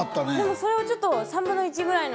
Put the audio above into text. それをちょっと。